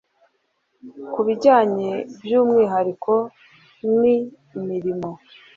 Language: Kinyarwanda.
Ku bijyanye by umwihariko n imirimo